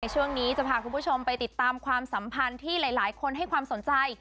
ช่วงนี้จะพาคุณผู้ชมไปติดตามความสัมพันธ์ที่หลายคนให้ความสนใจ